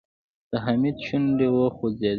د حميد شونډې وخوځېدې.